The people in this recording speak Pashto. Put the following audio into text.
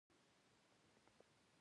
بادرنګ انسان ته تازهګۍ ورکوي.